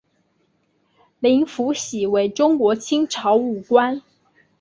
林福喜为中国清朝武官。